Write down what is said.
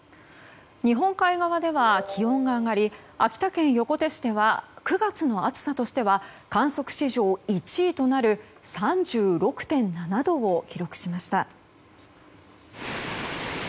日本海側では気温が上がり秋田県横手市では９月の暑さとしては観測史上１位となる３６．７度を記録しました。